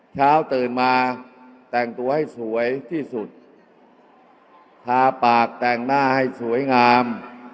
เช้าตื่นมาแต่งตัวให้สวยที่สุดทาปากแต่งหน้าให้สวยงาม